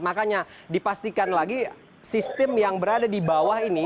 makanya dipastikan lagi sistem yang berada di bawah ini